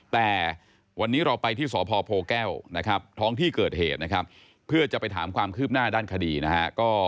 แต่วันนี้เราไปที่สพโพแก้วนะครับท้องที่เกิดเหตุนะครับเพื่อจะไปถามความคืบหน้าด้านคดีนะฮะ